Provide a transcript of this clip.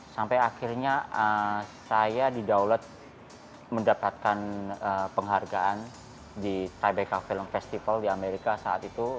sampai akhirnya saya di download mendapatkan penghargaan di thai becau film festival di amerika saat itu